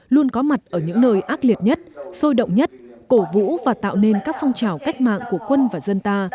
luôn có mặt ở những nơi ác liệt nhất sôi động nhất cổ vũ và tạo nên các phong trào cách mạng của quân và dân ta